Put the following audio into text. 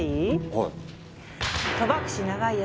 はい。